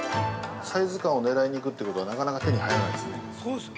◆サイズ感を狙いに行くということは、なかなか手に入らないですね。